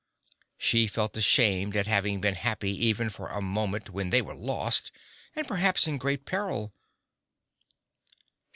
She felt ashamed at having been happy even for a moment, when they were lost, and perhaps in great peril.